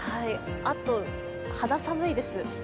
あと肌寒いです。